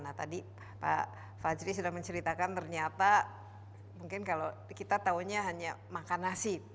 nah tadi pak fajri sudah menceritakan ternyata mungkin kalau kita tahunya hanya makan nasi